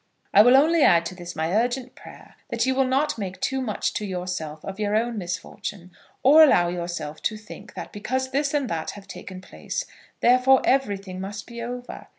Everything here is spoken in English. I will only add to this my urgent prayer that you will not make too much to yourself of your own misfortune, or allow yourself to think that because this and that have taken place, therefore everything must be over.